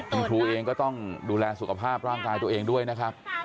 คุณครูเองก็ต้องดูแลสุขภาพร่างกายตัวเองด้วยนะครับ